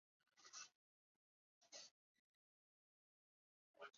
此举导致欧塞尔地区铁路客流量不断减少。